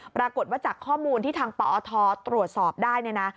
ปรากฏว่าจากข้อมูลที่ทางปอทตรวจสอบได้เนี่ยนะ